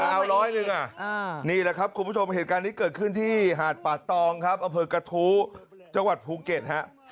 อ๋อ๙๐๐บาทนี่แหละครับคุณผู้ชมเหตุการณ์นี้เกิดขึ้นที่หาดปาตรองอเผิดกะทูจังหวัดภูเก็ต